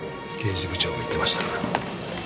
刑事部長が言ってましたから。